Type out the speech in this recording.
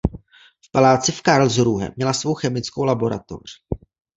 V paláci v Karlsruhe měla svou chemickou laboratoř.